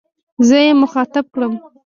زه يې مخاطب کړم.